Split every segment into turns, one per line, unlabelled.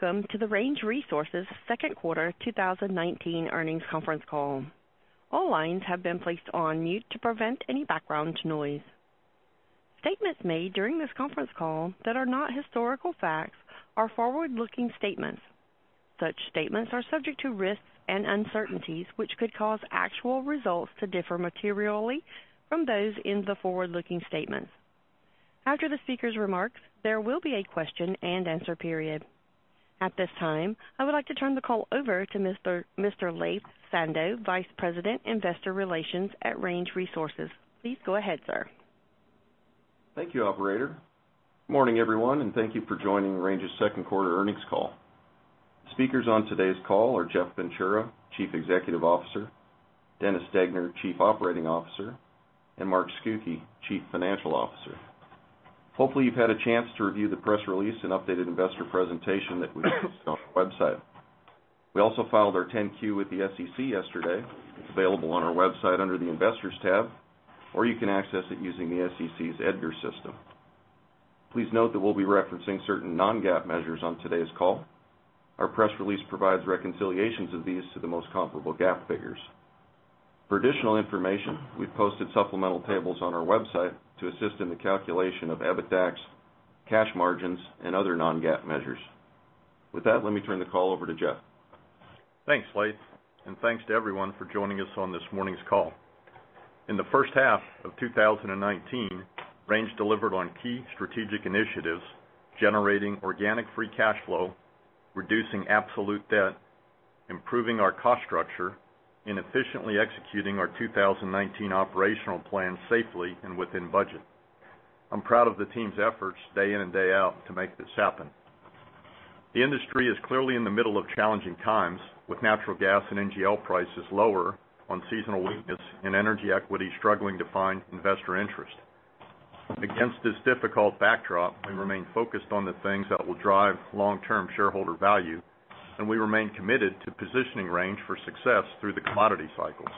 Welcome to the Range Resources second quarter 2019 earnings conference call. All lines have been placed on mute to prevent any background noise. Statements made during this conference call that are not historical facts are forward-looking statements. Such statements are subject to risks and uncertainties which could cause actual results to differ materially from those in the forward-looking statements. After the speaker's remarks, there will be a question and answer period. At this time, I would like to turn the call over to Mr. Laith Sando, Vice President, Investor Relations at Range Resources. Please go ahead, sir.
Thank you, operator. Morning, everyone, and thank you for joining Range's second quarter earnings call. Speakers on today's call are Jeff Ventura, Chief Executive Officer, Dennis Degner, Chief Operating Officer, and Mark Scucchi, Chief Financial Officer. Hopefully, you've had a chance to review the press release and updated investor presentation that we posted on our website. We also filed our 10-Q with the SEC yesterday. It's available on our website under the Investors tab, or you can access it using the SEC's EDGAR system. Please note that we'll be referencing certain non-GAAP measures on today's call. Our press release provides reconciliations of these to the most comparable GAAP figures. For additional information, we've posted supplemental tables on our website to assist in the calculation of EBITDAX, cash margins, and other non-GAAP measures. With that, let me turn the call over to Jeff.
Thanks, Laith, and thanks to everyone for joining us on this morning's call. In the first half of 2019, Range delivered on key strategic initiatives, generating organic free cash flow, reducing absolute debt, improving our cost structure, and efficiently executing our 2019 operational plan safely and within budget. I'm proud of the team's efforts day in and day out to make this happen. The industry is clearly in the middle of challenging times, with natural gas and NGL prices lower on seasonal weakness and energy equity struggling to find investor interest. Against this difficult backdrop, we remain focused on the things that will drive long-term shareholder value, and we remain committed to positioning Range for success through the commodity cycles.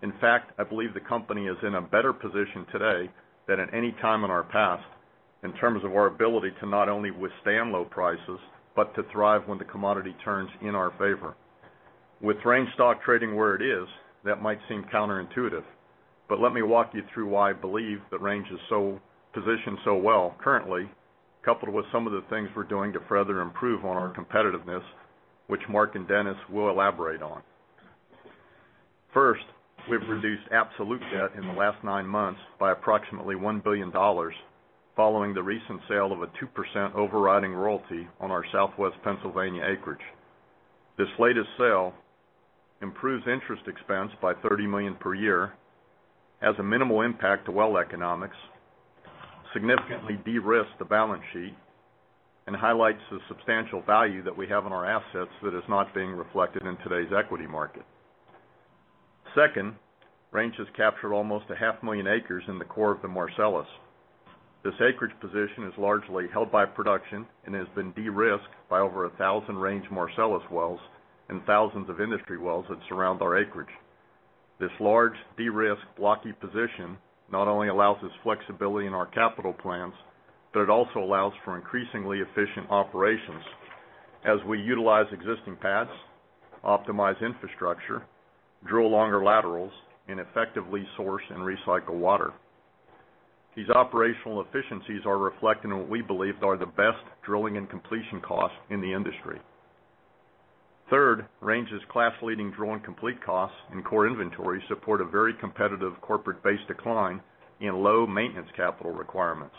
In fact, I believe the company is in a better position today than at any time in our past in terms of our ability to not only withstand low prices, but to thrive when the commodity turns in our favor. With Range stock trading where it is, that might seem counterintuitive, but let me walk you through why I believe that Range is positioned so well currently, coupled with some of the things we're doing to further improve on our competitiveness, which Mark and Dennis will elaborate on. First, we've reduced absolute debt in the last nine months by approximately $1 billion following the recent sale of a 2% overriding royalty on our Southwest Pennsylvania acreage. This latest sale improves interest expense by $30 million per year, has a minimal impact to well economics, significantly de-risks the balance sheet, and highlights the substantial value that we have in our assets that is not being reflected in today's equity market. Second, Range has captured almost 0.5 million acres in the core of the Marcellus. This acreage position is largely held by production and has been de-risked by over 1,000 Range Marcellus wells and thousands of industry wells that surround our acreage. This large, de-risked, blocky position not only allows us flexibility in our capital plans, but it also allows for increasingly efficient operations as we utilize existing paths, optimize infrastructure, drill longer laterals, and effectively source and recycle water. These operational efficiencies are reflected in what we believe are the best drilling and completion costs in the industry. Third, Range's class-leading drill and complete costs and core inventory support a very competitive corporate base decline in low maintenance capital requirements.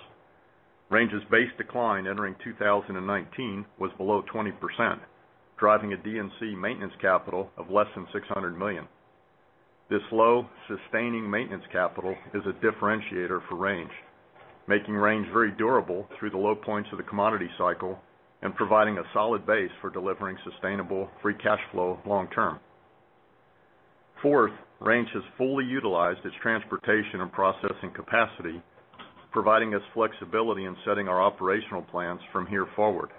Range's base decline entering 2019 was below 20%, driving a D&C maintenance capital of less than $600 million. This low sustaining maintenance capital is a differentiator for Range, making Range very durable through the low points of the commodity cycle and providing a solid base for delivering sustainable free cash flow long term. Fourth, Range has fully utilized its transportation and processing capacity, providing us flexibility in setting our operational plans from here forward.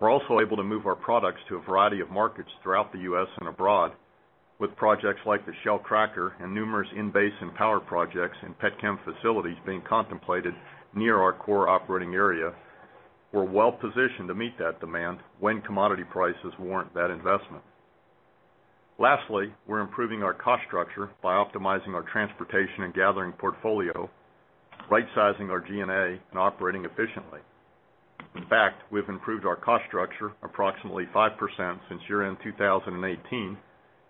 We're also able to move our products to a variety of markets throughout the U.S. and abroad, with projects like the Shell cracker and numerous in-basin power projects and petchem facilities being contemplated near our core operating area. We're well positioned to meet that demand when commodity prices warrant that investment. Lastly, we're improving our cost structure by optimizing our transportation and gathering portfolio, rightsizing our G&A, and operating efficiently. In fact, we've improved our cost structure approximately 5% since year-end 2018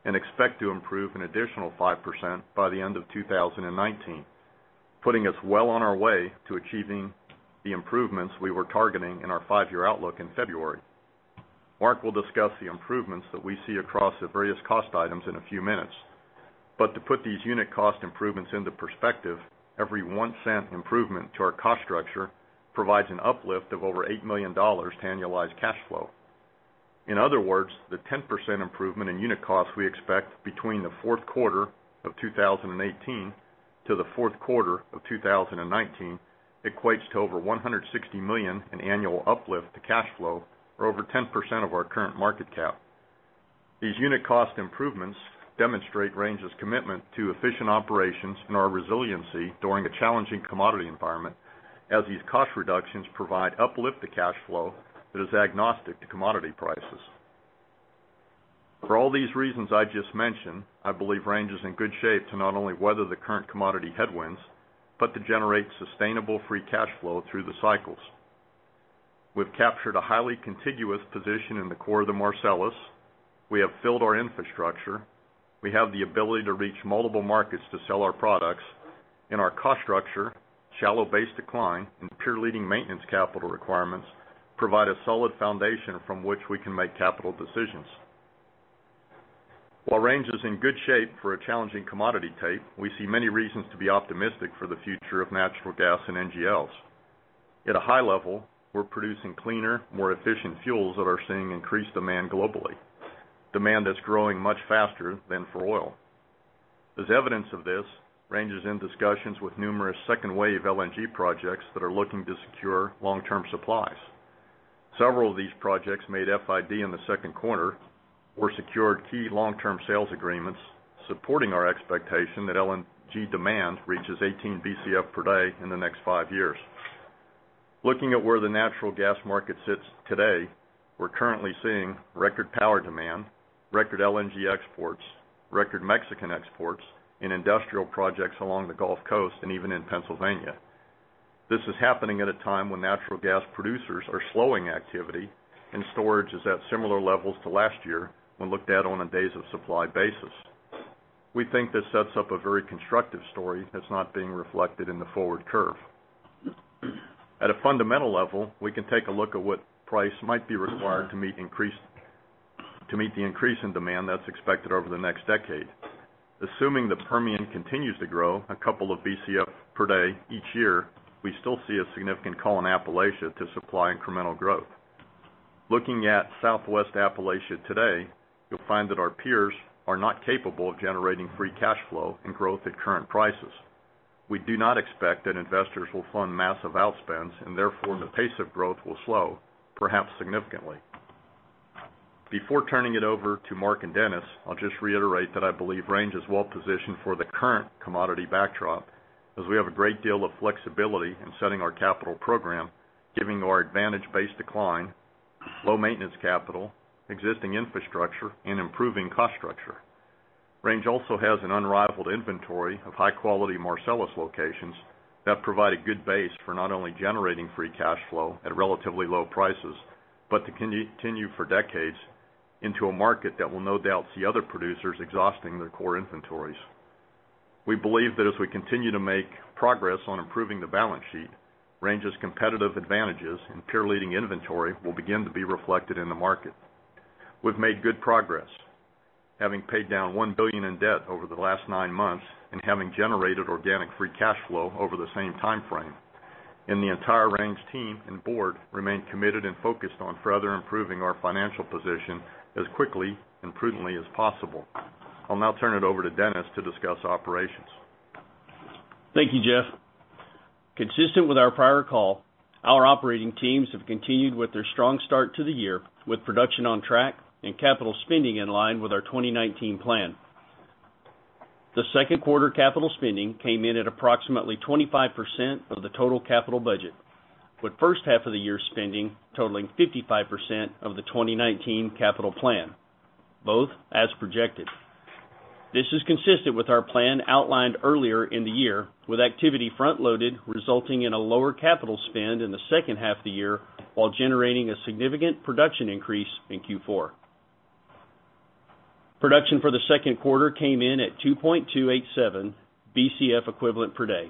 and expect to improve an additional 5% by the end of 2019, putting us well on our way to achieving the improvements we were targeting in our five-year outlook in February. Mark will discuss the improvements that we see across the various cost items in a few minutes. To put these unit cost improvements into perspective, every $0.01 improvement to our cost structure provides an uplift of over $8 million to annualized cash flow. In other words, the 10% improvement in unit costs we expect between the fourth quarter of 2018 to the fourth quarter of 2019 equates to over $160 million in annual uplift to cash flow, or over 10% of our current market cap. These unit cost improvements demonstrate Range's commitment to efficient operations and our resiliency during a challenging commodity environment, as these cost reductions provide uplift to cash flow that is agnostic to commodity prices. For all these reasons I just mentioned, I believe Range is in good shape to not only weather the current commodity headwinds, but to generate sustainable free cash flow through the cycles. We've captured a highly contiguous position in the core of the Marcellus. We have filled our infrastructure. We have the ability to reach multiple markets to sell our products. Our cost structure, shallow base decline, and peer-leading maintenance capital requirements provide a solid foundation from which we can make capital decisions. While Range is in good shape for a challenging commodity tape, we see many reasons to be optimistic for the future of natural gas and NGLs. At a high level, we're producing cleaner, more efficient fuels that are seeing increased demand globally, demand that's growing much faster than for oil. As evidence of this, Range is in discussions with numerous second wave LNG projects that are looking to secure long-term supplies. Several of these projects made FID in the second quarter or secured key long-term sales agreements supporting our expectation that LNG demand reaches 18 Bcf per day in the next five years. Looking at where the natural gas market sits today, we're currently seeing record power demand, record LNG exports, record Mexican exports in industrial projects along the Gulf Coast and even in Pennsylvania. This is happening at a time when natural gas producers are slowing activity and storage is at similar levels to last year when looked at on a days of supply basis. We think this sets up a very constructive story that's not being reflected in the forward curve. At a fundamental level, we can take a look at what price might be required to meet the increase in demand that's expected over the next decade. Assuming the Permian continues to grow a couple of Bcf per day each year, we still see a significant call in Appalachia to supply incremental growth. Looking at Southwest Appalachia today, you'll find that our peers are not capable of generating free cash flow and growth at current prices. We do not expect that investors will fund massive outspends, therefore, the pace of growth will slow, perhaps significantly. Before turning it over to Mark and Dennis, I'll just reiterate that I believe Range is well-positioned for the current commodity backdrop, as we have a great deal of flexibility in setting our capital program, giving our advantage base decline, low maintenance capital, existing infrastructure, and improving cost structure. Range also has an unrivaled inventory of high-quality Marcellus locations that provide a good base for not only generating free cash flow at relatively low prices, but to continue for decades into a market that will no doubt see other producers exhausting their core inventories. We believe that as we continue to make progress on improving the balance sheet, Range's competitive advantages and peer-leading inventory will begin to be reflected in the market. We've made good progress. Having paid down $1 billion in debt over the last nine months and having generated organic free cash flow over the same time frame, and the entire Range team and board remain committed and focused on further improving our financial position as quickly and prudently as possible. I'll now turn it over to Dennis to discuss operations.
Thank you, Jeff. Consistent with our prior call, our operating teams have continued with their strong start to the year with production on track and capital spending in line with our 2019 plan. The second quarter capital spending came in at approximately 25% of the total capital budget, with first half of the year spending totaling 55% of the 2019 capital plan, both as projected. This is consistent with our plan outlined earlier in the year, with activity front-loaded, resulting in a lower capital spend in the second half of the year while generating a significant production increase in Q4. Production for the second quarter came in at 2.287 Bcf equivalent per day,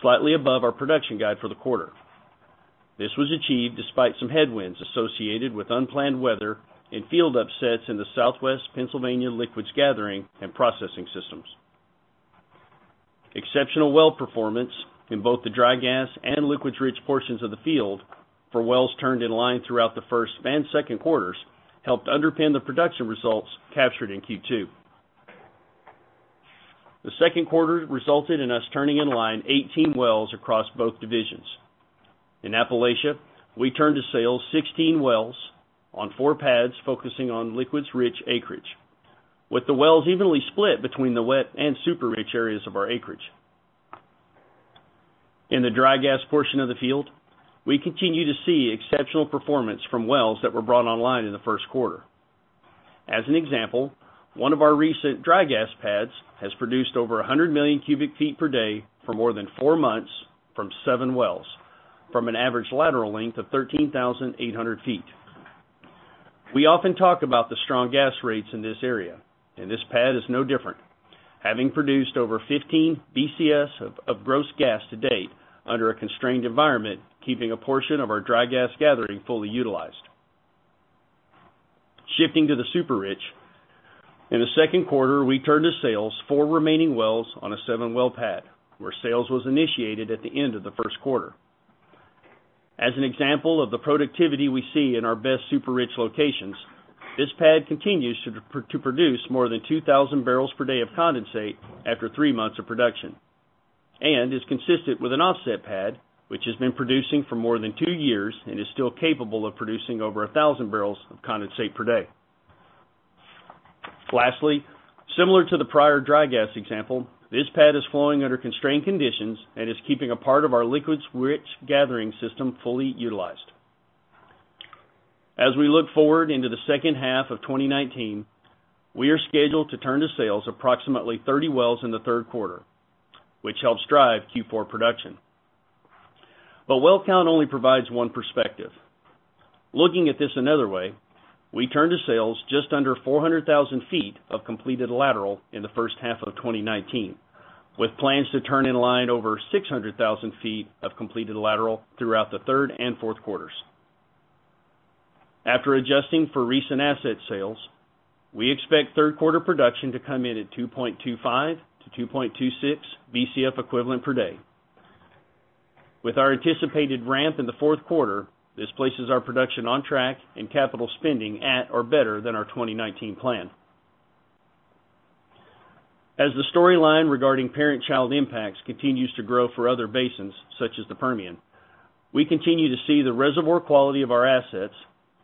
slightly above our production guide for the quarter. This was achieved despite some headwinds associated with unplanned weather and field upsets in the Southwest Pennsylvania liquids gathering and processing systems. Exceptional well performance in both the dry gas and liquids-rich portions of the field for wells turned in line throughout the first and second quarters helped underpin the production results captured in Q2. The second quarter resulted in us turning in line 18 wells across both divisions. In Appalachia, we turned to sales 16 wells on four pads, focusing on liquids-rich acreage, with the wells evenly split between the wet and super-rich areas of our acreage. In the dry gas portion of the field, we continue to see exceptional performance from wells that were brought online in the first quarter. As an example, one of our recent dry gas pads has produced over 100 million cubic feet per day for more than four months from seven wells from an average lateral length of 13,800 feet. We often talk about the strong gas rates in this area, and this pad is no different, having produced over 15 Bcf of gross gas to date under a constrained environment, keeping a portion of our dry gas gathering fully utilized. Shifting to the super-rich. In the second quarter, we turned to sales four remaining wells on a seven-well pad, where sales was initiated at the end of the first quarter. As an example of the productivity we see in our best super-rich locations, this pad continues to produce more than 2,000 barrels per day of condensate after three months of production. Is consistent with an offset pad, which has been producing for more than two years and is still capable of producing over 1,000 barrels of condensate per day. Lastly, similar to the prior dry gas example, this pad is flowing under constrained conditions and is keeping a part of our liquids-rich gathering system fully utilized. We look forward into the second half of 2019, we are scheduled to turn to sales approximately 30 wells in the third quarter, which helps drive Q4 production. Well count only provides one perspective. Looking at this another way, we turn to sales just under 400,000 feet of completed lateral in the first half of 2019, with plans to turn in line over 600,000 feet of completed lateral throughout the third and fourth quarters. After adjusting for recent asset sales, we expect third quarter production to come in at 2.25 Bcf equivalent per day-2.26 Bcf equivalent per day. With our anticipated ramp in the fourth quarter, this places our production on track and capital spending at or better than our 2019 plan. As the storyline regarding parent-child impacts continues to grow for other basins such as the Permian, we continue to see the reservoir quality of our assets,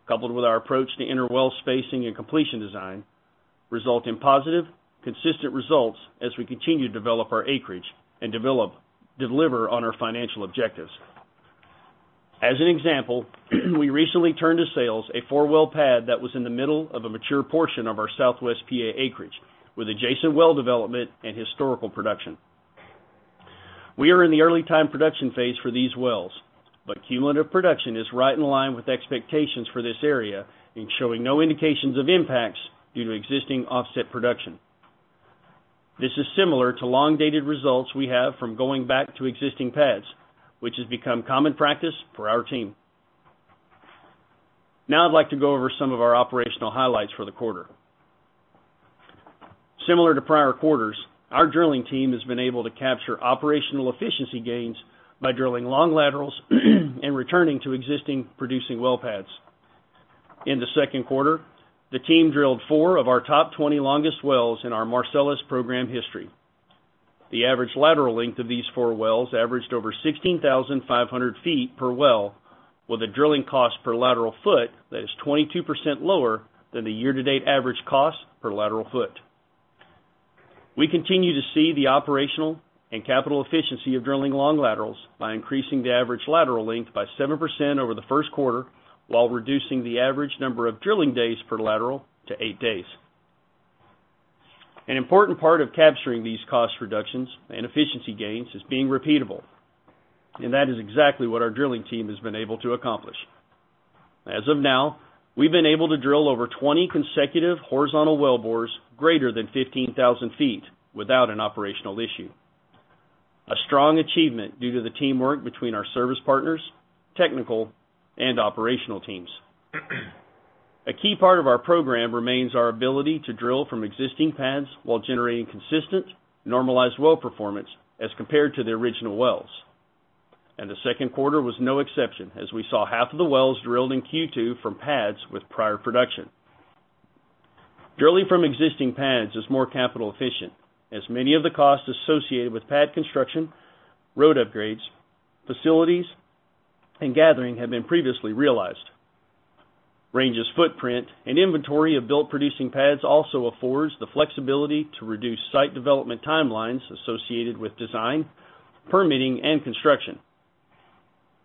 coupled with our approach to inter-well spacing and completion design, result in positive, consistent results as we continue to develop our acreage and deliver on our financial objectives. As an example, we recently turned to sales a four-well pad that was in the middle of a mature portion of our Southwest PA acreage, with adjacent well development and historical production. We are in the early time production phase for these wells, cumulative production is right in line with expectations for this area and showing no indications of impacts due to existing offset production. This is similar to long-dated results we have from going back to existing pads, which has become common practice for our team. Now I'd like to go over some of our operational highlights for the quarter. Similar to prior quarters, our drilling team has been able to capture operational efficiency gains by drilling long laterals and returning to existing producing well pads. In the second quarter, the team drilled four of our top 20 longest wells in our Marcellus program history. The average lateral length of these four wells averaged over 16,500 feet per well, with a drilling cost per lateral foot that is 22% lower than the year-to-date average cost per lateral foot. We continue to see the operational and capital efficiency of drilling long laterals by increasing the average lateral length by 7% over the first quarter, while reducing the average number of drilling days per lateral to eight days. An important part of capturing these cost reductions and efficiency gains is being repeatable, that is exactly what our drilling team has been able to accomplish. As of now, we've been able to drill over 20 consecutive horizontal well bores greater than 15,000 feet without an operational issue. A strong achievement due to the teamwork between our service partners, technical, and operational teams. A key part of our program remains our ability to drill from existing pads while generating consistent, normalized well performance as compared to the original wells. The second quarter was no exception, as we saw half of the wells drilled in Q2 from pads with prior production. Drilling from existing pads is more capital efficient, as many of the costs associated with pad construction, road upgrades, facilities, and gathering have been previously realized. Range's footprint and inventory of built producing pads also affords the flexibility to reduce site development timelines associated with design, permitting, and construction.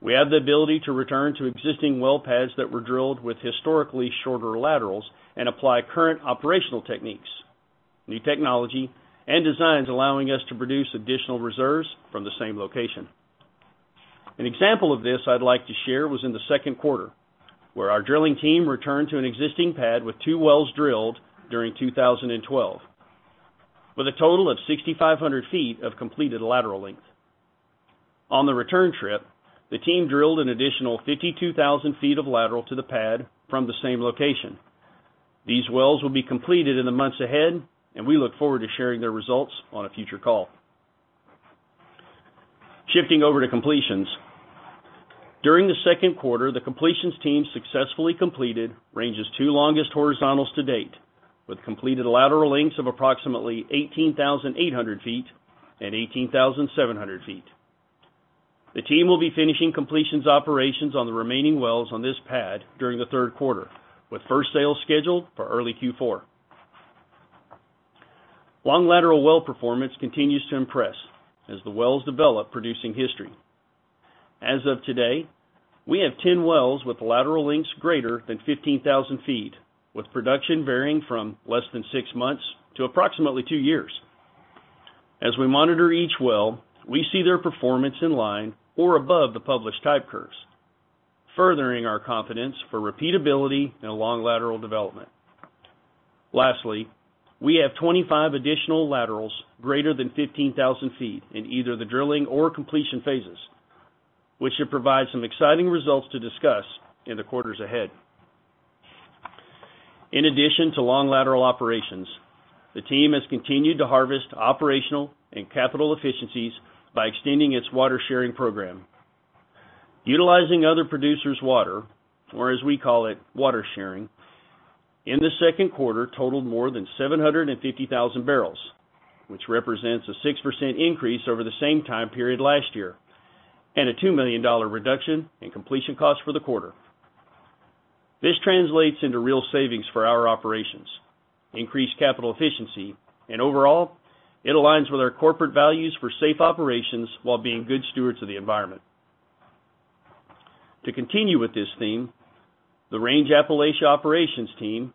We have the ability to return to existing well pads that were drilled with historically shorter laterals and apply current operational techniques, new technology, and designs allowing us to produce additional reserves from the same location. An example of this I'd like to share was in the second quarter, where our drilling team returned to an existing pad with two wells drilled during 2012, with a total of 6,500 feet of completed lateral length. On the return trip, the team drilled an additional 52,000 feet of lateral to the pad from the same location. These wells will be completed in the months ahead, and we look forward to sharing their results on a future call. Shifting over to completions. During the second quarter, the completions team successfully completed Range's two longest horizontals to date, with completed lateral lengths of approximately 18,800 feet and 18,700 feet. The team will be finishing completions operations on the remaining wells on this pad during the third quarter, with first sale scheduled for early Q4. Long lateral well performance continues to impress as the wells develop producing history. As of today, we have 10 wells with lateral lengths greater than 15,000 feet, with production varying from less than six months to approximately two years. As we monitor each well, we see their performance in line or above the published type curves, furthering our confidence for repeatability in long lateral development. Lastly, we have 25 additional laterals greater than 15,000 feet in either the drilling or completion phases, which should provide some exciting results to discuss in the quarters ahead. In addition to long lateral operations, the team has continued to harvest operational and capital efficiencies by extending its water sharing program. Utilizing other producers' water, or as we call it, water sharing, in the second quarter totaled more than 750,000 barrels, which represents a 6% increase over the same time period last year, and a $2 million reduction in completion costs for the quarter. This translates into real savings for our operations, increased capital efficiency, and overall, it aligns with our corporate values for safe operations while being good stewards of the environment. To continue with this theme, the Range Appalachia operations team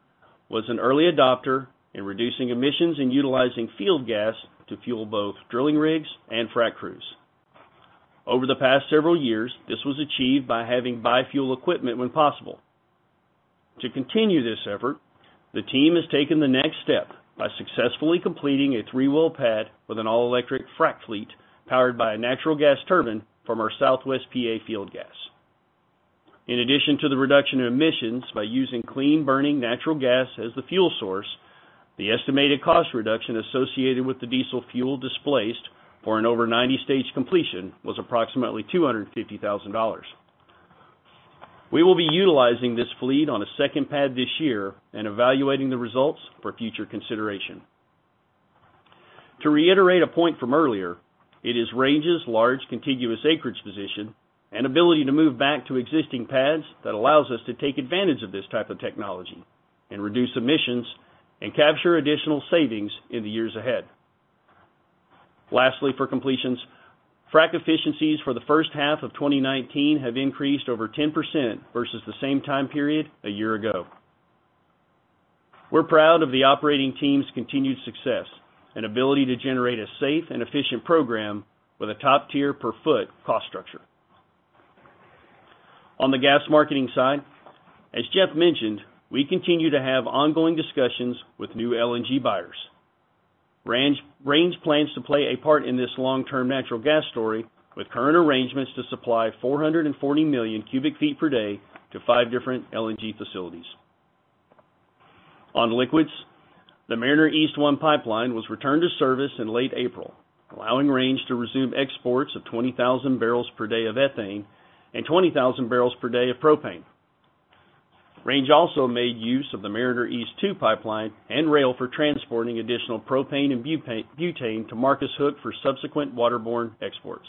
was an early adopter in reducing emissions and utilizing field gas to fuel both drilling rigs and frac crews. Over the past several years, this was achieved by having bi-fuel equipment when possible. To continue this effort, the team has taken the next step by successfully completing a three-well pad with an all-electric frac fleet powered by a natural gas turbine from our Southwest P.A. field gas. In addition to the reduction in emissions by using clean-burning natural gas as the fuel source, the estimated cost reduction associated with the diesel fuel displaced for an over 90-stage completion was approximately $250,000. We will be utilizing this fleet on a second pad this year and evaluating the results for future consideration. To reiterate a point from earlier, it is Range's large contiguous acreage position and ability to move back to existing pads that allows us to take advantage of this type of technology and reduce emissions and capture additional savings in the years ahead. For completions, frac efficiencies for the first half of 2019 have increased over 10% versus the same time period a year ago. We're proud of the operating team's continued success and ability to generate a safe and efficient program with a top-tier per-foot cost structure. On the gas marketing side, as Jeff mentioned, we continue to have ongoing discussions with new LNG buyers. Range plans to play a part in this long-term natural gas story with current arrangements to supply 440 million cubic feet per day to five different LNG facilities. On liquids, the Mariner East 1 pipeline was returned to service in late April, allowing Range to resume exports of 20,000 barrels per day of ethane and 20,000 barrels per day of propane. Range also made use of the Mariner East 2 pipeline and rail for transporting additional propane and butane to Marcus Hook for subsequent waterborne exports.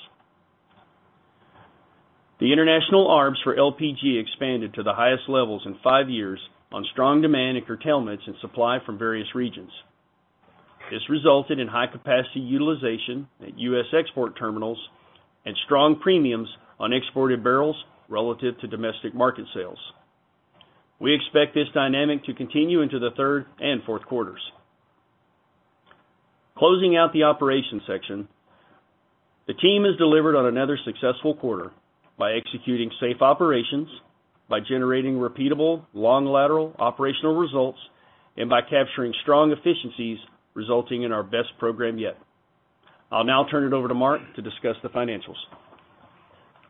The international arbs for LPG expanded to the highest levels in five years on strong demand and curtailments in supply from various regions. This resulted in high capacity utilization at U.S. export terminals and strong premiums on exported barrels relative to domestic market sales. We expect this dynamic to continue into the third and fourth quarters. Closing out the operations section, the team has delivered on another successful quarter by executing safe operations, by generating repeatable long lateral operational results, and by capturing strong efficiencies resulting in our best program yet. I'll now turn it over to Mark to discuss the financials.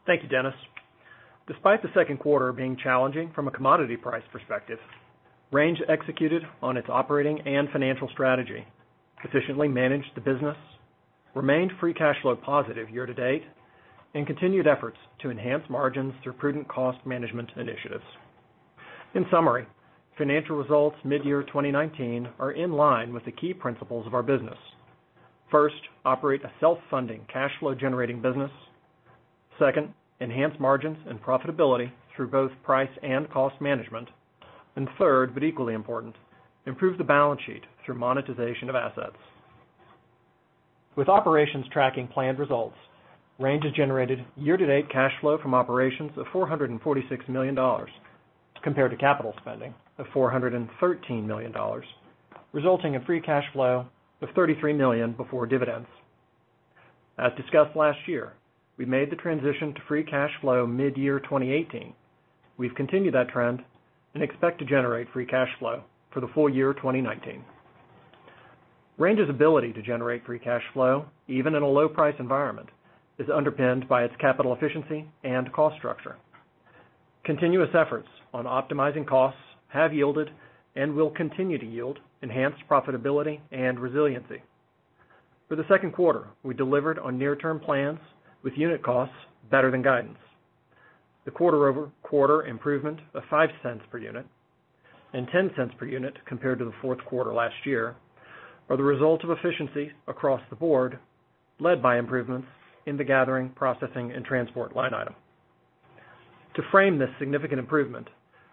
Thank you, Dennis. Despite the second quarter being challenging from a commodity price perspective, Range executed on its operating and financial strategy, efficiently managed the business, remained free cash flow positive year-to-date, and continued efforts to enhance margins through prudent cost management initiatives. In summary, financial results mid-year 2019 are in line with the key principles of our business. First, operate a self-funding, cash flow-generating business. Second, enhance margins and profitability through both price and cost management. Third, but equally important, improve the balance sheet through monetization of assets. With operations tracking planned results, Range has generated year-to-date cash flow from operations of $446 million compared to capital spending of $413 million, resulting in free cash flow of $33 million before dividends. As discussed last year, we made the transition to free cash flow mid-year 2018. We've continued that trend and expect to generate free cash flow for the full year 2019. Range's ability to generate free cash flow, even in a low price environment, is underpinned by its capital efficiency and cost structure. Continuous efforts on optimizing costs have yielded and will continue to yield enhanced profitability and resiliency. For the second quarter, we delivered on near-term plans with unit costs better than guidance. The quarter-over-quarter improvement of $0.05 per unit and $0.10 per unit compared to the fourth quarter last year are the result of efficiencies across the board, led by improvements in the Gathering, Processing, and Transport line item. To frame this significant improvement,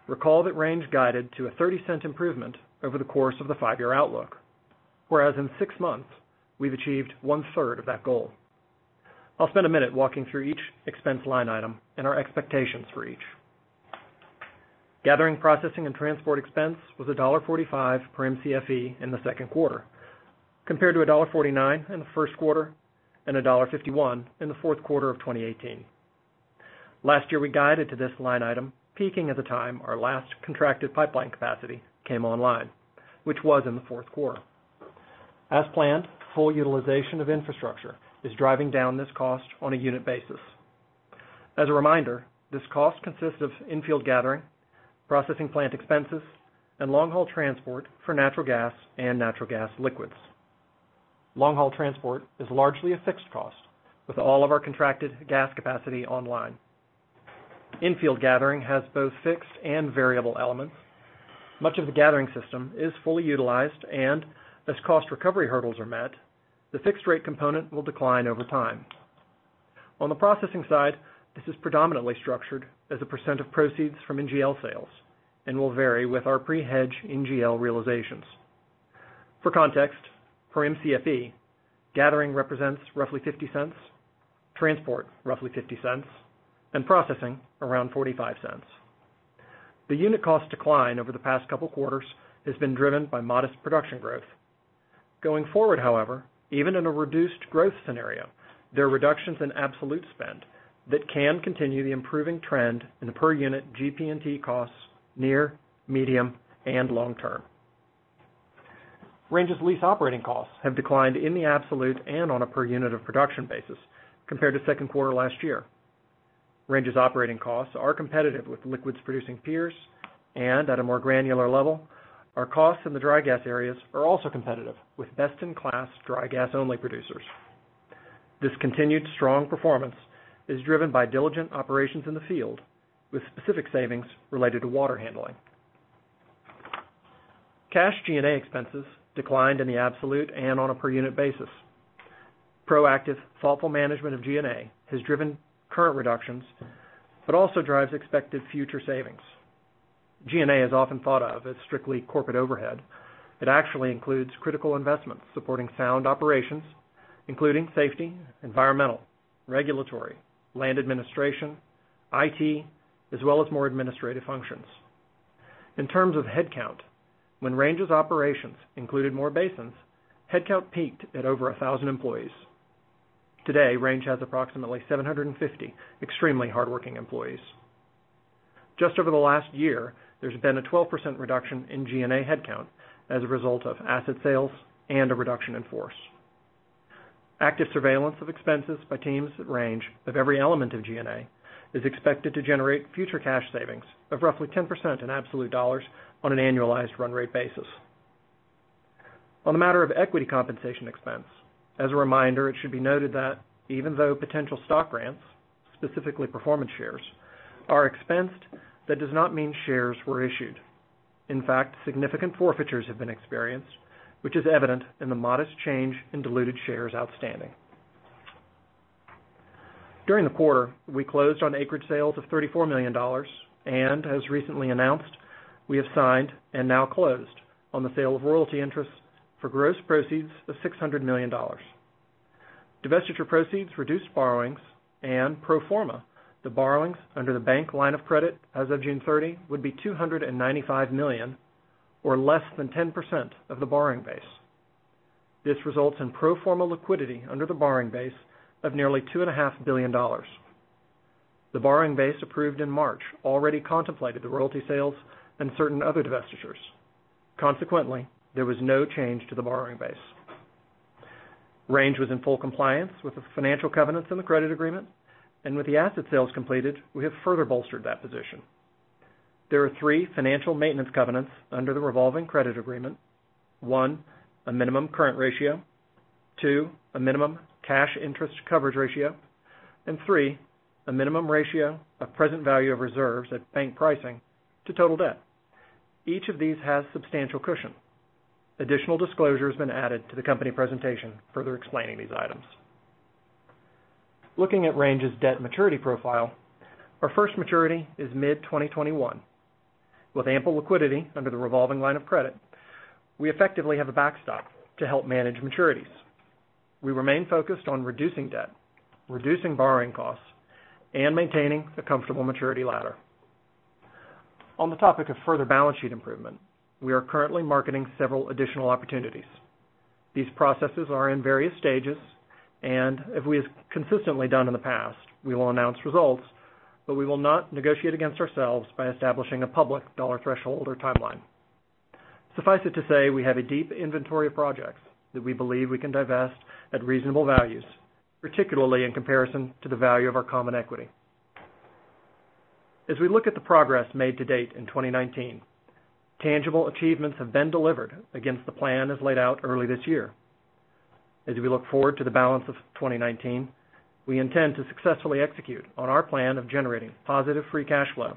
recall that Range guided to a $0.30 improvement over the course of the five-year outlook. Whereas in six months, we've achieved one-third of that goal. I'll spend a minute walking through each expense line item and our expectations for each. Gathering, Processing, and transport expense was $1.45 per Mcfe in the second quarter, compared to $1.49 in the first quarter and $1.51 in the fourth quarter of 2018. Last year, we guided to this line item peaking at the time our last contracted pipeline capacity came online, which was in the fourth quarter. As planned, full utilization of infrastructure is driving down this cost on a unit basis. As a reminder, this cost consists of infield gathering, processing plant expenses, and long-haul transport for natural gas and natural gas liquids. Long-haul transport is largely a fixed cost with all of our contracted gas capacity online. In-field gathering has both fixed and variable elements. Much of the gathering system is fully utilized, and as cost recovery hurdles are met, the fixed rate component will decline over time. On the processing side, this is predominantly structured as a percent of proceeds from NGL sales and will vary with our pre-hedge NGL realizations. For context, for Mcfe, gathering represents roughly $0.50, transport roughly $0.50, and processing around $0.45. The unit cost decline over the past couple quarters has been driven by modest production growth. Going forward, however, even in a reduced growth scenario, there are reductions in absolute spend that can continue the improving trend in the per-unit GP&T costs near, medium, and long term. Range's lease operating costs have declined in the absolute and on a per-unit-of-production basis compared to second quarter last year. Range's operating costs are competitive with liquids-producing peers, and at a more granular level, our costs in the dry gas areas are also competitive with best-in-class dry gas-only producers. This continued strong performance is driven by diligent operations in the field with specific savings related to water handling. Cash G&A expenses declined in the absolute and on a per-unit basis. Proactive, thoughtful management of G&A has driven current reductions but also drives expected future savings. G&A is often thought of as strictly corporate overhead. It actually includes critical investments supporting sound operations, including safety, environmental, regulatory, land administration, IT, as well as more administrative functions. In terms of headcount, when Range's operations included more basins, headcount peaked at over 1,000 employees. Today, Range has approximately 750 extremely hardworking employees. Just over the last year, there's been a 12% reduction in G&A headcount as a result of asset sales and a reduction in force. Active surveillance of expenses by teams at Range of every element of G&A is expected to generate future cash savings of roughly 10% in absolute dollars on an annualized run rate basis. On the matter of equity compensation expense, as a reminder, it should be noted that even though potential stock grants, specifically performance shares, are expensed, that does not mean shares were issued. In fact, significant forfeitures have been experienced, which is evident in the modest change in diluted shares outstanding. During the quarter, we closed on acreage sales of $34 million, and as recently announced, we have signed and now closed on the sale of royalty interests for gross proceeds of $600 million. Divestiture proceeds reduced borrowings, and pro forma, the borrowings under the bank line of credit as of June 30 would be $295 million, or less than 10% of the borrowing base. This results in pro forma liquidity under the borrowing base of nearly $2.5 billion. The borrowing base approved in March already contemplated the royalty sales and certain other divestitures. There was no change to the borrowing base. Range was in full compliance with the financial covenants in the credit agreement, and with the asset sales completed, we have further bolstered that position. There are three financial maintenance covenants under the revolving credit agreement. One, a minimum current ratio. Two, a minimum cash interest coverage ratio. Three, a minimum ratio of present value of reserves at bank pricing to total debt. Each of these has substantial cushion. Additional disclosure has been added to the company presentation further explaining these items. Looking at Range's debt maturity profile, our first maturity is mid-2021. With ample liquidity under the revolving line of credit, we effectively have a backstop to help manage maturities. We remain focused on reducing debt, reducing borrowing costs, and maintaining a comfortable maturity ladder. On the topic of further balance sheet improvement, we are currently marketing several additional opportunities. These processes are in various stages, and as we have consistently done in the past, we will announce results, but we will not negotiate against ourselves by establishing a public dollar threshold or timeline. Suffice it to say, we have a deep inventory of projects that we believe we can divest at reasonable values, particularly in comparison to the value of our common equity. As we look at the progress made to date in 2019, tangible achievements have been delivered against the plan as laid out early this year. As we look forward to the balance of 2019, we intend to successfully execute on our plan of generating positive free cash flow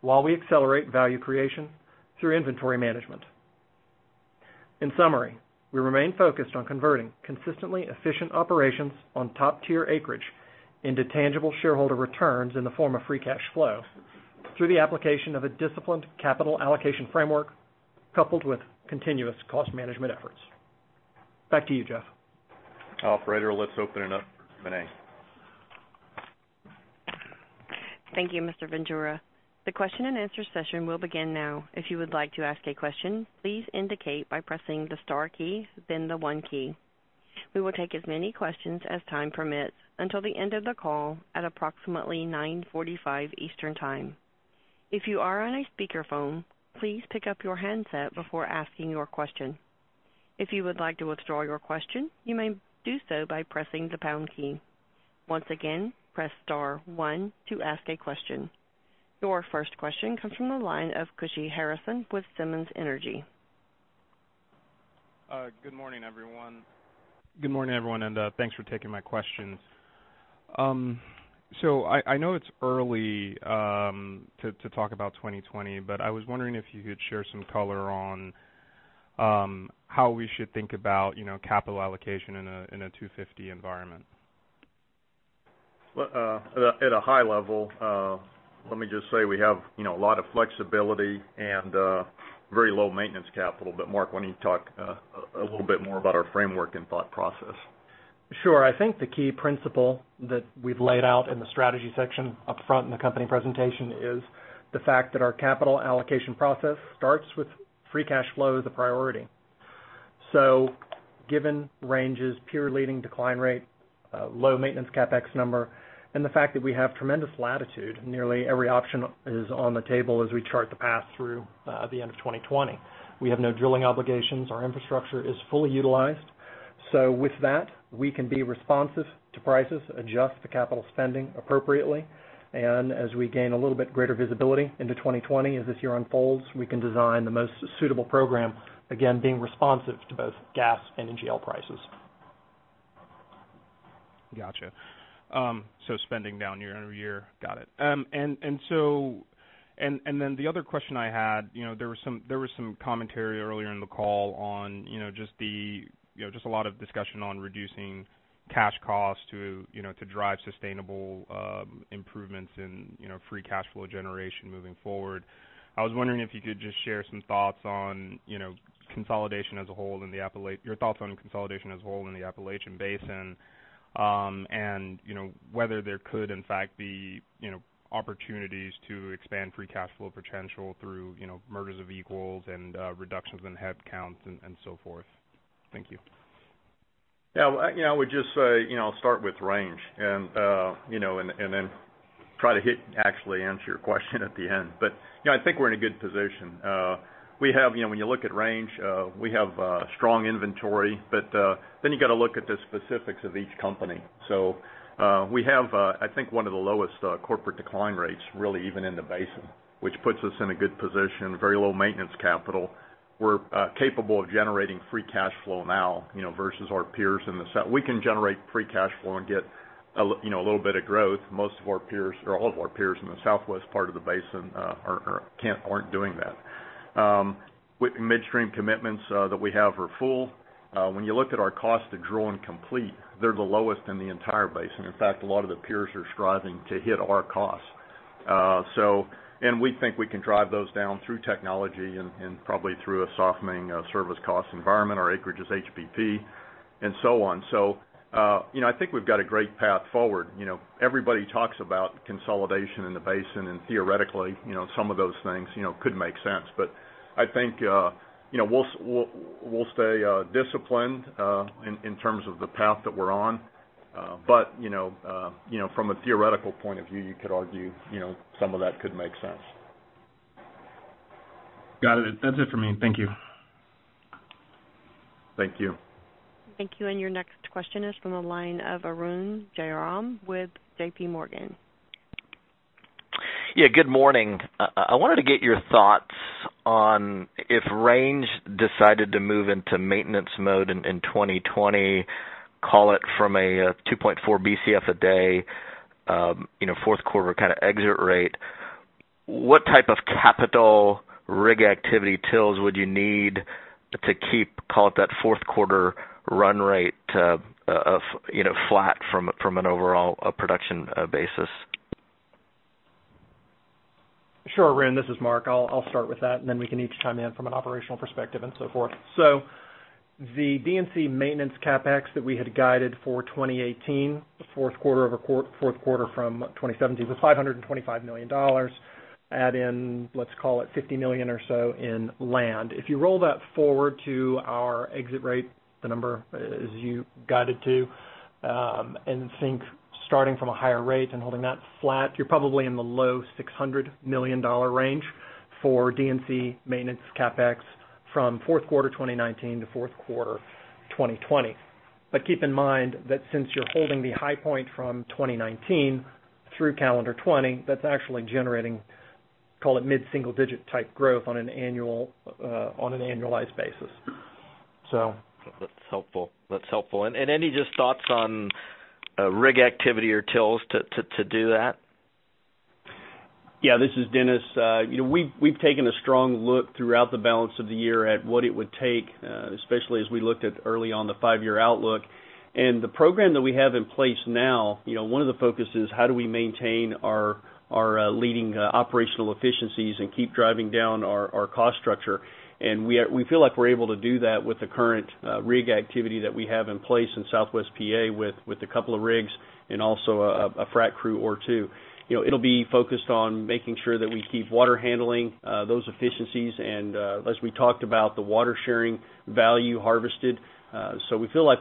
while we accelerate value creation through inventory management. In summary, we remain focused on converting consistently efficient operations on top-tier acreage into tangible shareholder returns in the form of free cash flow through the application of a disciplined capital allocation framework coupled with continuous cost management efforts. Back to you, Jeff.
Operator, let's open it up for Q&A.
Thank you, Mr. Ventura. The question-and-answer session will begin now. If you would like to ask a question, please indicate by pressing the star key, then the one key. We will take as many questions as time permits until the end of the call at approximately 9:45 A.M. Eastern Time. If you are on a speakerphone, please pick up your handset before asking your question. If you would like to withdraw your question, you may do so by pressing the pound key. Once again, press star one to ask a question. Your first question comes from the line of Kashy Harrison with Simmons Energy.
Good morning, everyone, thanks for taking my questions. I know it's early to talk about 2020, but I was wondering if you could share some color on how we should think about capital allocation in a $2.50 environment.
Well, at a high level, let me just say we have a lot of flexibility and very low maintenance capital. Mark, why don't you talk a little bit more about our framework and thought process?
Sure. I think the key principle that we've laid out in the strategy section up front in the company presentation is the fact that our capital allocation process starts with free cash flow as a priority. Given Range's peer-leading decline rate, low maintenance CapEx number, and the fact that we have tremendous latitude, nearly every option is on the table as we chart the path through the end of 2020. We have no drilling obligations. Our infrastructure is fully utilized. With that, we can be responsive to prices, adjust the capital spending appropriately, and as we gain a little bit greater visibility into 2020, as this year unfolds, we can design the most suitable program, again, being responsive to both gas and NGL prices.
Got you. Spending down year-over-year. Got it. The other question I had, there was some commentary earlier in the call, just a lot of discussion on reducing cash costs to drive sustainable improvements in free cash flow generation moving forward. I was wondering if you could just share your thoughts on consolidation as a whole in the Appalachian Basin, and whether there could in fact be opportunities to expand free cash flow potential through mergers of equals and reductions in headcounts and so forth. Thank you.
Yeah. I would just say start with Range and then try to actually answer your question at the end. I think we're in a good position. When you look at Range, we have strong inventory, but then you got to look at the specifics of each company. We have, I think, one of the lowest corporate decline rates, really even in the basin, which puts us in a good position, very low maintenance capital. We're capable of generating free cash flow now, versus our peers. We can generate free cash flow and get a little bit of growth. Most of our peers, or all of our peers in the southwest part of the basin aren't doing that. Midstream commitments that we have are full. When you look at our cost to drill and complete, they're the lowest in the entire basin. In fact, a lot of the peers are striving to hit our costs. We think we can drive those down through technology and probably through a softening service cost environment. Our acreage is HBP, and so on. I think we've got a great path forward. Everybody talks about consolidation in the basin, and theoretically, some of those things could make sense. I think we'll stay disciplined in terms of the path that we're on. From a theoretical point of view, you could argue some of that could make sense.
Got it. That's it for me. Thank you.
Thank you.
Thank you. Your next question is from the line of Arun Jayaram with JP Morgan.
Yeah, good morning. I wanted to get your thoughts on if Range decided to move into maintenance mode in 2020, call it from a 2.4 Bcf a day fourth quarter kind of exit rate, what type of capital rig activity drills would you need to keep, call it that fourth quarter run rate flat from an overall production basis?
Sure, Arun, this is Mark. I'll start with that, and then we can each chime in from an operational perspective and so forth. The D&C maintenance CapEx that we had guided for 2018, fourth quarter from 2017, was $525 million. Add in, let's call it $50 million or so in land. If you roll that forward to our exit rate, the number as you guided to, and think starting from a higher rate and holding that flat, you're probably in the low $600 million range for D&C maintenance CapEx from fourth quarter 2019 to fourth quarter 2020. Keep in mind that since you're holding the high point from 2019 through calendar 2020, that's actually generating, call it mid-single digit type growth on an annualized basis.
That's helpful. Any just thoughts on rig activity or D&C to do that?
Yeah, this is Dennis. We've taken a strong look throughout the balance of the year at what it would take, especially as we looked at early on the five-year outlook. The program that we have in place now, one of the focuses, how do we maintain our leading operational efficiencies and keep driving down our cost structure. We feel like we're able to do that with the current rig activity that we have in place in Southwest P.A. with a couple of rigs and also a frack crew or two. It'll be focused on making sure that we keep water handling those efficiencies, and as we talked about, the water sharing value harvested. We feel like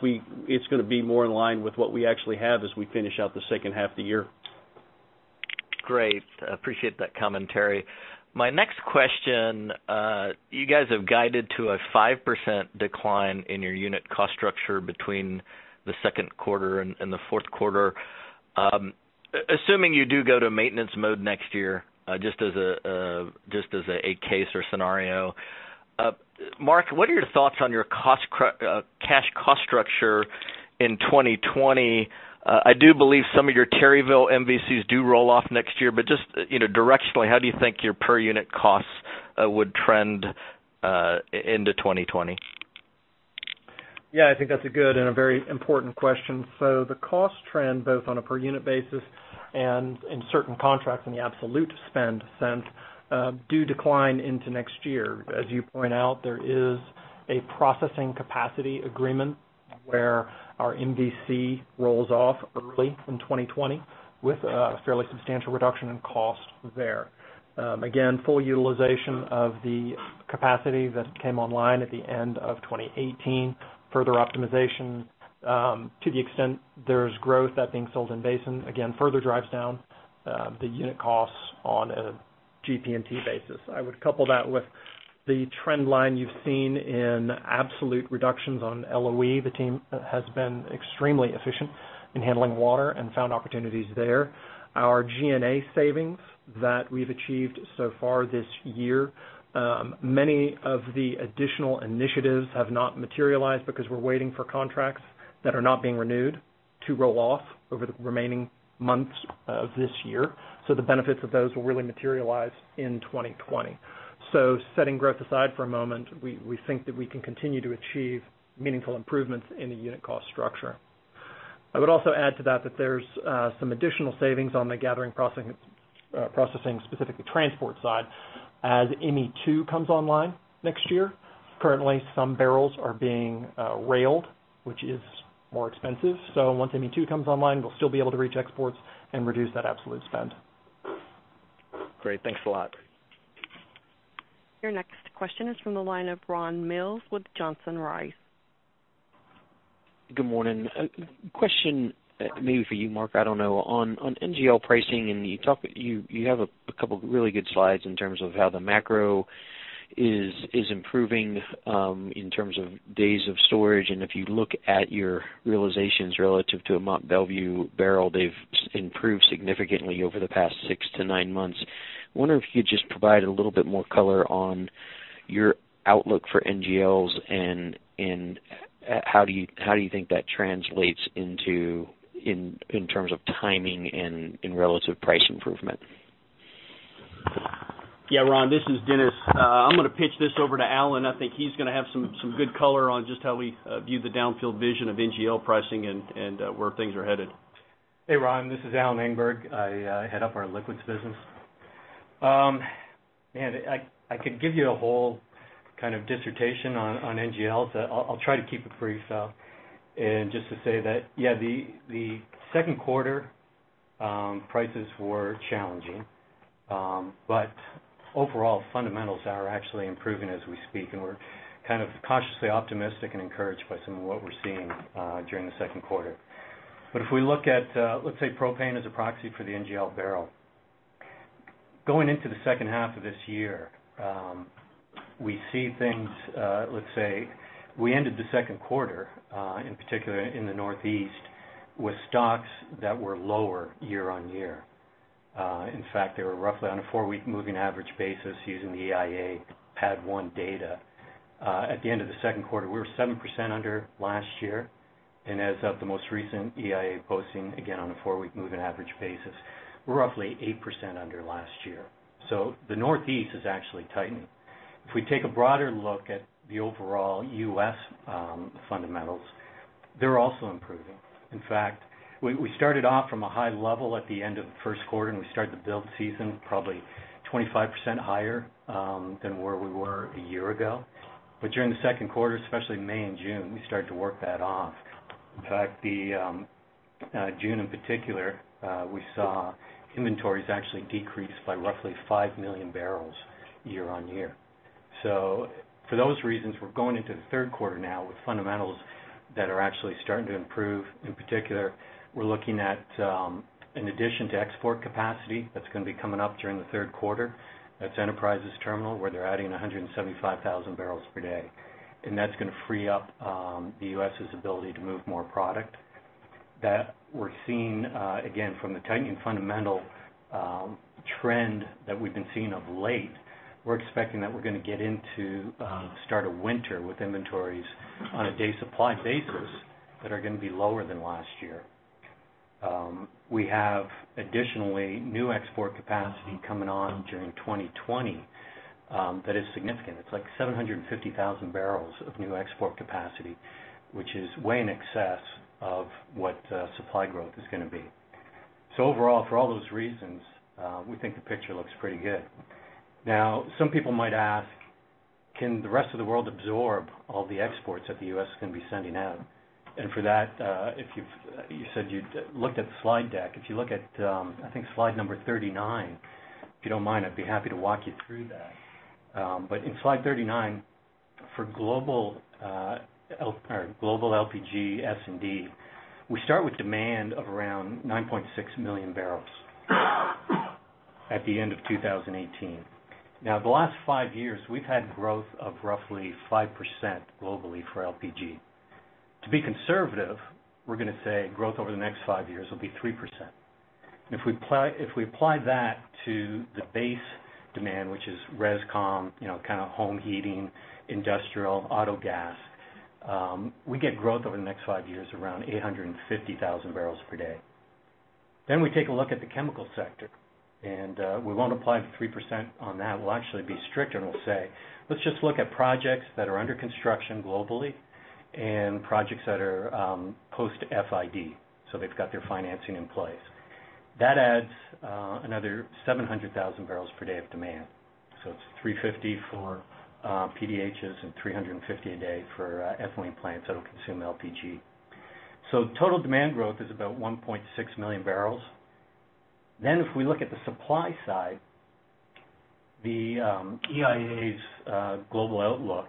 it's going to be more in line with what we actually have as we finish out the second half of the year.
Great. Appreciate that commentary. My next question. You guys have guided to a 5% decline in your unit cost structure between the second quarter and the fourth quarter. Assuming you do go to maintenance mode next year, just as a case or scenarioMark, what are your thoughts on your cash cost structure in 2020? I do believe some of your Terryville MVCs do roll off next year, but just directionally, how do you think your per unit costs would trend into 2020?
I think that's a good and a very important question. The cost trend, both on a per unit basis and in certain contracts in the absolute spend sense, do decline into next year. As you point out, there is a processing capacity agreement where our MVC rolls off early in 2020 with a fairly substantial reduction in cost there. Again, full utilization of the capacity that came online at the end of 2018, further optimization to the extent there's growth that being sold in basin, again, further drives down the unit costs on a GP&T basis. I would couple that with the trend line you've seen in absolute reductions on LOE. The team has been extremely efficient in handling water and found opportunities there. Our G&A savings that we've achieved so far this year, many of the additional initiatives have not materialized because we're waiting for contracts that are not being renewed to roll off over the remaining months of this year. The benefits of those will really materialize in 2020. Setting growth aside for a moment, we think that we can continue to achieve meaningful improvements in the unit cost structure. I would also add to that there's some additional savings on the gathering processing, specifically transport side, as ME2 comes online next year. Currently, some barrels are being railed, which is more expensive. Once ME2 comes online, we'll still be able to reach exports and reduce that absolute spend.
Great. Thanks a lot.
Your next question is from the line of Ron Mills with Johnson Rice.
Good morning. Question maybe for you, Mark, I don't know, on NGL pricing, and you have a couple of really good slides in terms of how the macro is improving in terms of days of storage. If you look at your realizations relative to a Mont Belvieu barrel, they've improved significantly over the past six to nine months. I wonder if you could just provide a little bit more color on your outlook for NGLs and how do you think that translates in terms of timing and in relative price improvement?
Yeah, Ron, this is Dennis. I'm going to pitch this over to Alan. I think he's going to have some good color on just how we view the downfield vision of NGL pricing and where things are headed.
Hey, Ron. This is Alan Engberg. I head up our liquids business. I could give you a whole kind of dissertation on NGLs. I'll try to keep it brief. Just to say that the second quarter prices were challenging. Overall, fundamentals are actually improving as we speak, and we're kind of cautiously optimistic and encouraged by some of what we're seeing during the second quarter. If we look at, let's say, propane as a proxy for the NGL barrel. Going into the second half of this year, we see, let's say we ended the second quarter, in particular in the Northeast, with stocks that were lower year-on-year. In fact, they were roughly on a four-week moving average basis using the EIA PADD 1 data. At the end of the second quarter, we were 7% under last year. As of the most recent EIA posting, again, on a four-week moving average basis, we're roughly 8% under last year. The Northeast is actually tightening. If we take a broader look at the overall U.S. fundamentals, they're also improving. We started off from a high level at the end of the first quarter, and we started the build season probably 25% higher than where we were a year ago. During the second quarter, especially May and June, we started to work that off. June in particular, we saw inventories actually decrease by roughly 5 million barrels year-on-year. For those reasons, we're going into the third quarter now with fundamentals that are actually starting to improve. We're looking at in addition to export capacity, that's going to be coming up during the third quarter. That's Enterprise's terminal, where they're adding 175,000 barrels per day. That's going to free up the U.S.'s ability to move more product. That we're seeing, again, from the tightening fundamental trend that we've been seeing of late, we're expecting that we're going to get into start of winter with inventories on a day supply basis that are going to be lower than last year. We have additionally new export capacity coming on during 2020 that is significant. It's like 750,000 barrels of new export capacity, which is way in excess of what supply growth is going to be. Overall, for all those reasons, we think the picture looks pretty good. Now, some people might ask, can the rest of the world absorb all the exports that the U.S. is going to be sending out? For that, you said you'd looked at the slide deck. If you look at, I think slide 39. If you don't mind, I'd be happy to walk you through that. In slide 39, for global LPG S&D, we start with demand of around 9.6 million barrels at the end of 2018. The last five years, we've had growth of roughly 5% globally for LPG. To be conservative, we're going to say growth over the next five years will be 3%. If we apply that to the base demand, which is rescom, kind of home heating, industrial, auto gas, we get growth over the next five years around 850,000 barrels per day. We take a look at the chemical sector, and we won't apply the 3% on that. We'll actually be strict and we'll say, let's just look at projects that are under construction globally and projects that are post FID, they've got their financing in place. That adds another 700,000 barrels per day of demand. It's 350 for PDHs and 350 a day for ethylene plants that'll consume LPG. Total demand growth is about 1.6 million barrels. If we look at the supply side, the EIA's global outlook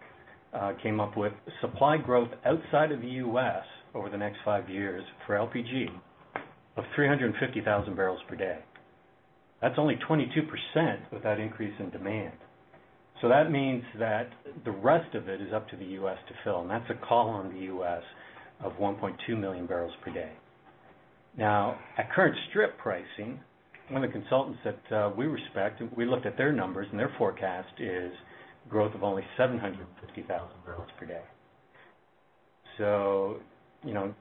came up with supply growth outside of the U.S. over the next five years for LPG of 350,000 barrels per day. That's only 22% of that increase in demand. That means that the rest of it is up to the U.S. to fill, and that's a call on the U.S. of 1.2 million barrels per day. Now, at current strip pricing, one of the consultants that we respect, we looked at their numbers, and their forecast is growth of only 750,000 barrels per day.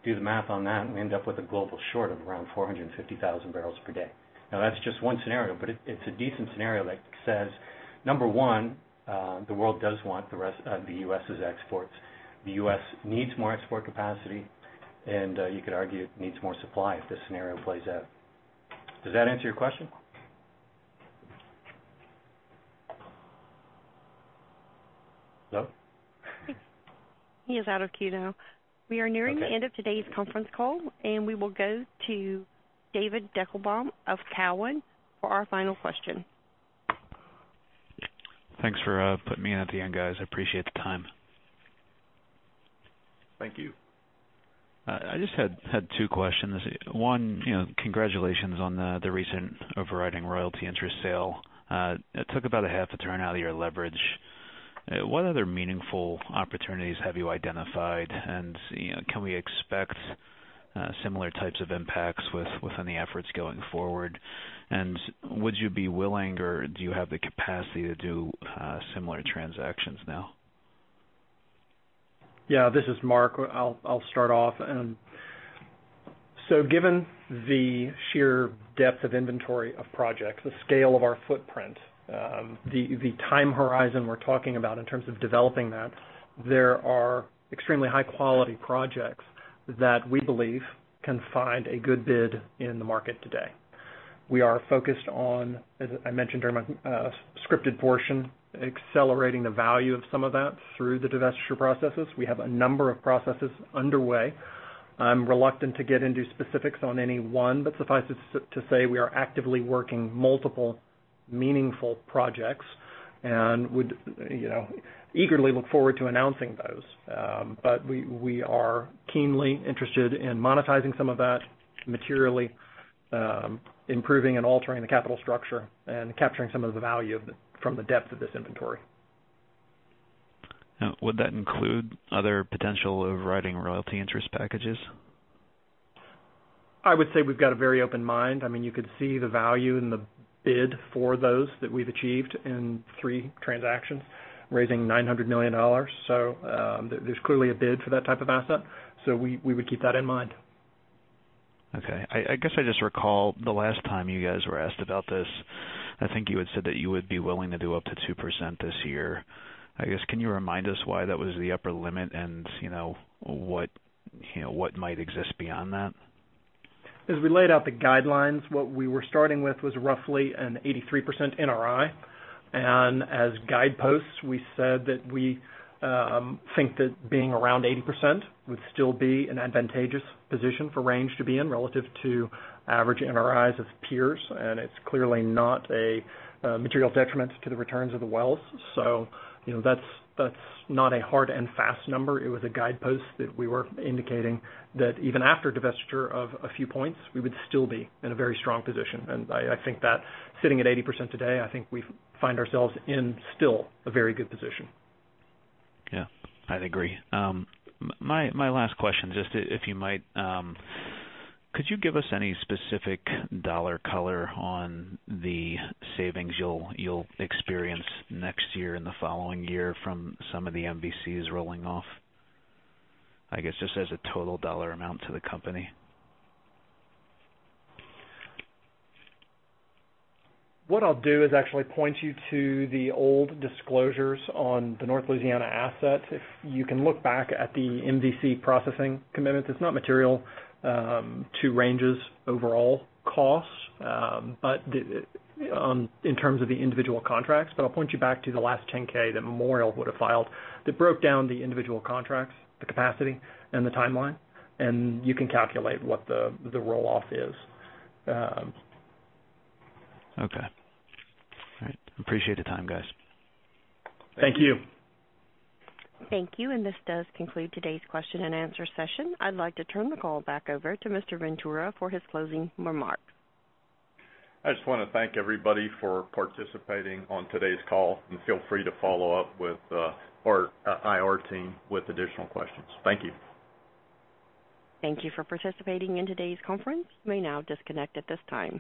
Do the math on that, and we end up with a global short of around 450,000 barrels per day. That's just one scenario, but it's a decent scenario that says, number one, the world does want the U.S.' exports. The U.S. needs more export capacity, and you could argue it needs more supply if this scenario plays out. Does that answer your question? Hello?
He is out of queue now.
Okay.
We are nearing the end of today's conference call. We will go to David Deckelbaum of Cowen for our final question.
Thanks for putting me in at the end, guys. I appreciate the time.
Thank you.
I just had two questions. One, congratulations on the recent overriding royalty interest sale. It took about a half a turn out of your leverage. What other meaningful opportunities have you identified, and can we expect similar types of impacts with any efforts going forward? Would you be willing or do you have the capacity to do similar transactions now?
Yeah, this is Mark. I'll start off. Given the sheer depth of inventory of projects, the scale of our footprint, the time horizon we're talking about in terms of developing that, there are extremely high-quality projects that we believe can find a good bid in the market today. We are focused on, as I mentioned during my scripted portion, accelerating the value of some of that through the divestiture processes. We have a number of processes underway. I'm reluctant to get into specifics on any one, but suffice it to say, we are actively working multiple meaningful projects and would eagerly look forward to announcing those. We are keenly interested in monetizing some of that, materially improving and altering the capital structure, and capturing some of the value from the depth of this inventory.
Would that include other potential overriding royalty interest packages?
I would say we've got a very open mind. You could see the value in the bid for those that we've achieved in three transactions, raising $900 million. There's clearly a bid for that type of asset. We would keep that in mind.
Okay. I guess I just recall the last time you guys were asked about this, I think you had said that you would be willing to do up to 2% this year. I guess, can you remind us why that was the upper limit and what might exist beyond that?
As we laid out the guidelines, what we were starting with was roughly an 83% NRI. As guideposts, we said that we think that being around 80% would still be an advantageous position for Range to be in relative to average NRIs of peers, and it's clearly not a material detriment to the returns of the wells. That's not a hard and fast number. It was a guidepost that we were indicating that even after divestiture of a few points, we would still be in a very strong position. I think that sitting at 80% today, I think we find ourselves in still a very good position.
Yeah, I'd agree. My last question, just if you might, could you give us any specific dollar color on the savings you'll experience next year and the following year from some of the MVCs rolling off? I guess, just as a total dollar amount to the company.
What I'll do is actually point you to the old disclosures on the North Louisiana asset. If you can look back at the MVC processing commitments, it's not material to Range's overall costs, but in terms of the individual contracts. I'll point you back to the last 10-K that Memorial would have filed that broke down the individual contracts, the capacity, and the timeline, and you can calculate what the roll-off is.
Okay. All right. Appreciate the time, guys.
Thank you.
Thank you.
Thank you. This does conclude today's question and answer session. I'd like to turn the call back over to Mr. Ventura for his closing remarks.
I just want to thank everybody for participating on today's call. Feel free to follow up with our IR team with additional questions. Thank you.
Thank you for participating in today's conference. You may now disconnect at this time.